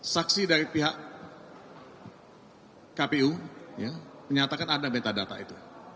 saksi dari pihak kpu ya menyatakan ada metadata itu